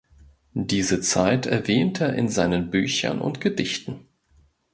Diese Zeit erwähnt er in seinen Büchern und Gedichten.